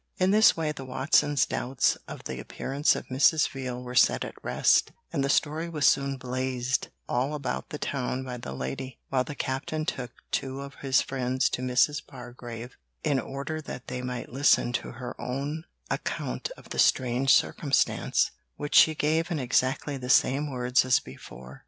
In this way the Watsons' doubts of the appearance of Mrs. Veal were set at rest, and the story was soon 'blazed' all about the town by the lady, while the Captain took two of his friends to Mrs. Bargrave in order that they might listen to her own account of the strange circumstance, which she gave in exactly the same words as before.